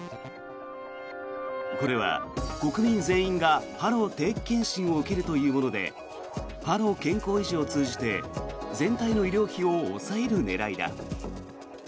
これは国民全員が歯の定期検診を受けるというもので歯の健康維持を通じて全体の医療費を抑える狙いだ。